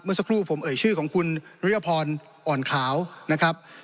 สักครู่ผมเอ่ยชื่อของคุณรุยพรอ่อนขาวนะครับ